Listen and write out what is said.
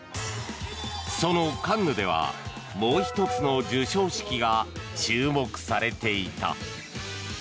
そのカンヌではもう１つの授賞式が注目されていた。